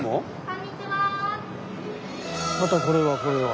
またこれはこれは。